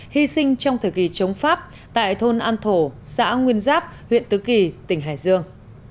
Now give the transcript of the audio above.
hy sinh trong thời kỳ chống pháp tại thôn an thổ xã nguyên giáp huyện tứ kỳ tỉnh hải dương